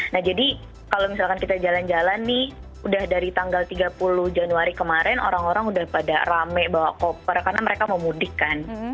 nah jadi kalau misalkan kita jalan jalan nih udah dari tanggal tiga puluh januari kemarin orang orang udah pada rame bawa koper karena mereka mau mudik kan